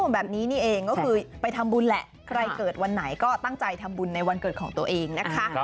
แบบนี้นี่เองก็คือไปทำบุญแหละใครเกิดวันไหนก็ตั้งใจทำบุญในวันเกิดของตัวเองนะคะ